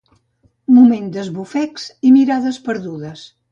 Moment d'esbufecs i mirades perdudes.